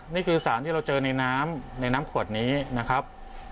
นี่คือสารที่เราเจอในน้ำในน้ำขวดนี้นะครับ